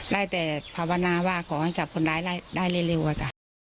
ได้แต่ภาวนาว่าขอให้จับคนร้ายได้เร็วอะจ้ะ